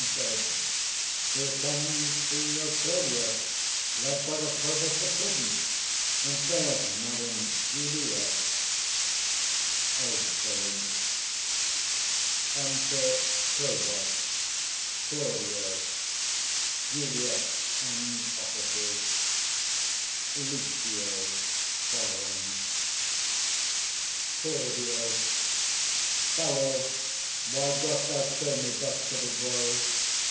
_ Here comes Signior Claudio, led by the provost to prison; and there's Madam Juliet. [Exeunt. Enter PROVOST, CLAUDIO, JULIET, and Officers. Claud. Fellow, why dost thou show me thus to the world?